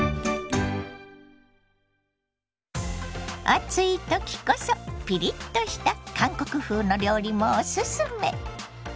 暑い時こそピリッとした韓国風の料理もおすすめ。